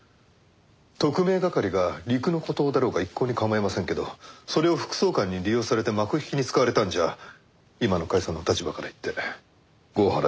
特命係が陸の孤島だろうが一向に構いませんけどそれを副総監に利用されて幕引きに使われたんじゃ今の甲斐さんの立場から言って業腹でしょ？